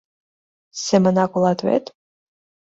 — Семонак улат вет?